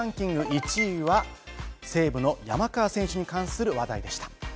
１位は西武の山川選手に関する話題でした。